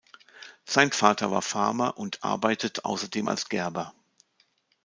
Sein Vater war Farmer und arbeitet außerdem als Gerber.